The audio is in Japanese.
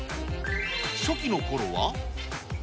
初期のころは。